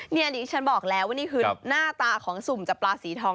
นี่ดิฉันบอกแล้วว่านี่คือหน้าตาของสุ่มจับปลาสีทอง